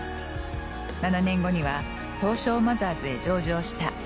７年後には東証マザーズへ上場した。